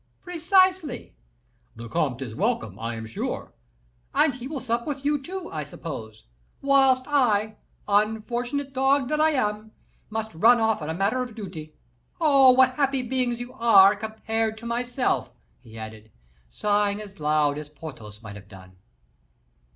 "Precisely." "The comte is welcome, I am sure." "And he will sup with you two, I suppose, whilst I, unfortunate dog that I am, must run off on a matter of duty. Oh! what happy beings you are, compared to myself," he added, sighing as loud as Porthos might have done.